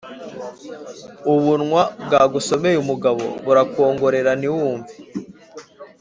Ubunwa bwagusomeye umugabo burakwongrera ntiwumve.